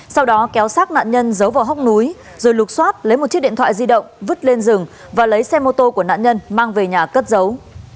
sau đó kéo sát nạn nhân giấu vào hóc núi rồi lục xoát lấy một chiếc điện thoại di động vứt lên rừng và lấy xe mô tô của nạn nhân mang về nhà cất giấu